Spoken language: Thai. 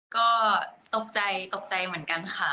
ก็ตกใจตกใจเหมือนกันค่ะ